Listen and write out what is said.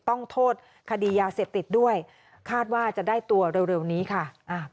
ต้องโทษคดียาเสพติดด้วยคาดว่าจะได้ตัวเร็วนี้ค่ะอ่า